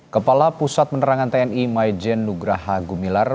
kepala pusat penerangan tni maijen nugraha gumilar